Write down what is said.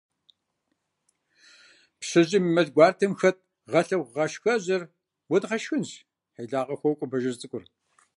– Пщыжьым и мэл гуартэм хэт гъэлъэхъугъашхэжьыр уэдгъэшхынщ! – хьилагъэ хуокӀуэ Бажэжь цӀыкӀур.